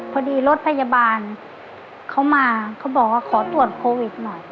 พอดีรถพยาบาลเขามาเขาบอกว่าขอตรวจโควิดหน่อย